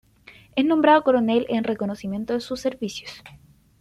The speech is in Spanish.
Es nombrado coronel en reconocimiento de sus servicios.